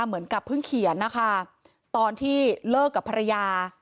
เหมือนกับเพิ่งเขียนนะคะตอนที่เลิกกับภรรยา